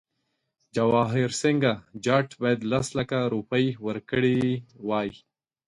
جواهرسینګه جاټ باید لس لکه روپۍ ورکړي وای.